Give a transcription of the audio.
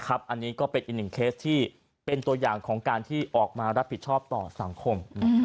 อันนี้ก็เป็นอีกหนึ่งเคสที่เป็นตัวอย่างของการที่ออกมารับผิดชอบต่อสังคม